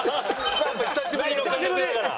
久しぶりの感覚だから。